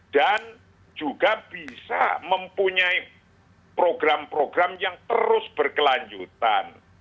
dan juga bisa mempunyai program program yang terus berkelanjutan